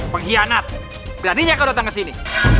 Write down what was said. pengkhianat beraninya kau datang ke sini